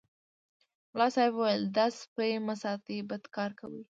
ملا صاحب ویل دا سپي مه ساتئ بد کار کوي.